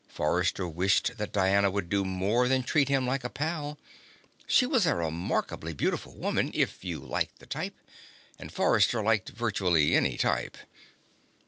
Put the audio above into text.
Forrester wished that Diana would do more than treat him like a pal. She was a remarkably beautiful woman, if you liked the type, and Forrester liked virtually any type.